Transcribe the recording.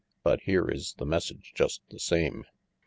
"But here is the message just the same."